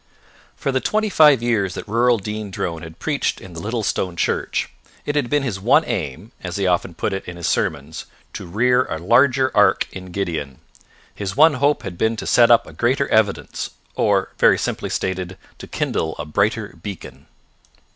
For the twenty five years that Rural Dean Drone had preached in the little stone church, it had been his one aim, as he often put it in his sermons, to rear a larger Ark in Gideon. His one hope had been to set up a greater Evidence, or, very simply stated, to kindle a Brighter Beacon.